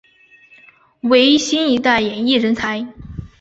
为新一代演艺人才。